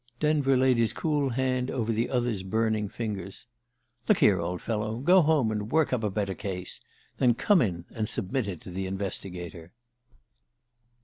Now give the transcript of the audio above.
Denver laid his cool hand over the other's burning fingers. "Look here, old fellow, go home and work up a better case then come in and submit it to the Investigator."